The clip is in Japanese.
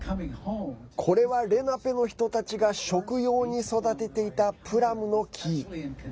これは、レナペの人たちが食用に育てていたプラムの木。